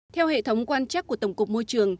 theo hệ thống quan chắc của tổng cục môi trường